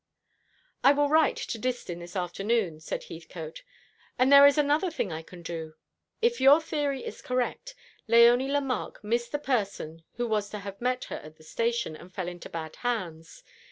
"I will write to Distin this afternoon," said Heathcote. "And there is another thing I can do. If your theory is correct, Léonie Lemarque missed the person who was to have met her at the station, and fell into bad hands.